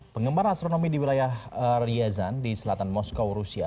penggemar astronomi di wilayah riazan di selatan moskow rusia